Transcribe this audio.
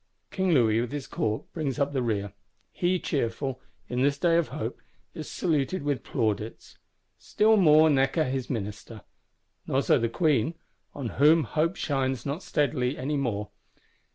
King Louis with his Court brings up the rear: he cheerful, in this day of hope, is saluted with plaudits; still more Necker his Minister. Not so the Queen; on whom hope shines not steadily any more.